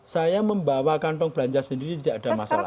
saya membawa kantong belanja sendiri tidak ada masalah